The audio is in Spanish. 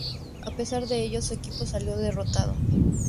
A pesar de ello, su equipo salió derrotado.